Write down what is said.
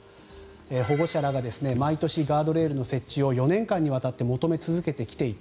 保護者らが毎年ガードレールの設置を４年間にわたって求め続けてきていた。